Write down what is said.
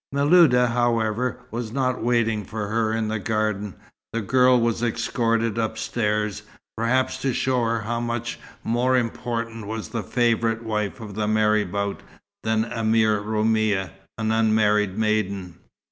Miluda, however, was not waiting for her in the garden. The girl was escorted upstairs, perhaps to show her how much more important was the favourite wife of the marabout than a mere Roumia, an unmarried maiden.